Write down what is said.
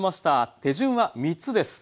手順は３つです。